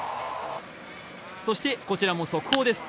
そして、こちらも速報です。